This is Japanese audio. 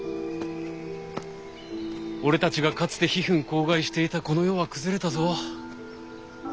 俺たちがかつて悲憤慷慨していたこの世は崩れたぞ。